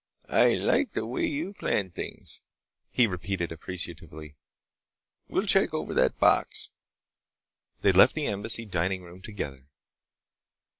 "I like the way you plan things," he repeated appreciatively. "We'll check over that box." They left the Embassy dining room together.